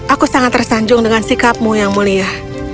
aku sangat tersanjung dengan sikapmu yang mulia